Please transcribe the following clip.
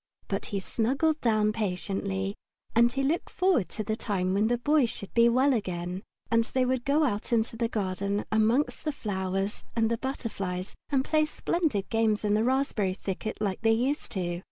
But he snuggled down patiently, and looked forward to the time when the Boy should be well again, and they would go out in the garden amongst the flowers and the butterflies and play splendid games in the raspberry thicket like they used to.